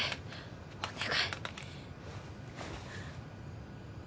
お願い。